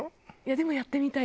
でもやってみたい。